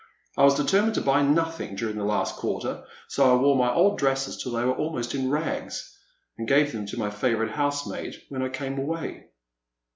I was determined to buy nothing during the last quarter, BO I wore my old dresses till they were almost in rags, and gave them to my favourite housemaid when I came away."